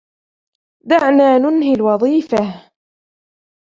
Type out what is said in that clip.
دعنا ننهي الوظيفة..